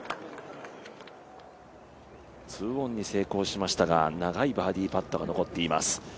２オンに成功しましたが長いバーディーパットが残っています。